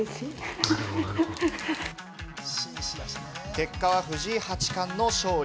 結果は藤井八冠の勝利！